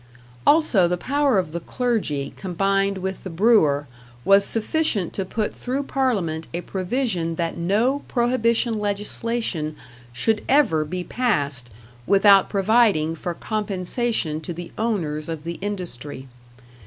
Also the power of the clergy, combined with the brewer, was sufficient to put through Parliament a provision that no prohibition legislation should ever be passed without providing for compensation to the owners of the industry.